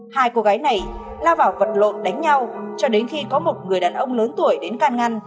hai cô gái này lao vào vật lộn đánh nhau cho đến khi có một người đàn ông lớn tuổi đến can ngăn